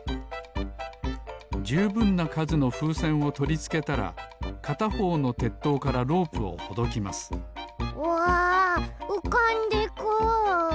じゅうぶんなかずのふうせんをとりつけたらかたほうのてっとうからロープをほどきますわうかんでく！